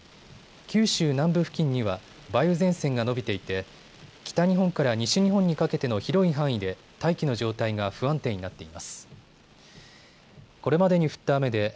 九州南部付近には梅雨前線が延びていて北日本から西日本にかけての広い範囲で大気の状態が不安定になっています。